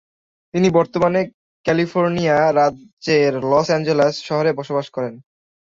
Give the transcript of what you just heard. তিনি বর্তমানে ক্যালিফোর্নিয়া রাজ্যের লস অ্যাঞ্জেলেস শহরে বসবাস করেন।